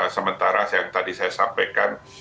sementara yang tadi saya sampaikan